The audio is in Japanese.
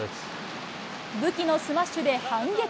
武器のスマッシュで反撃。